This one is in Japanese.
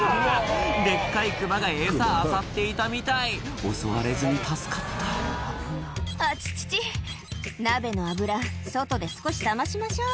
デッカいクマがエサあさっていたみたい襲われずに助かった「あちちち鍋の油外で少し冷ましましょう」